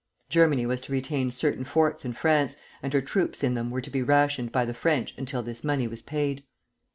Germany was to retain certain forts in France, and her troops in them were to be rationed by the French until this money was paid.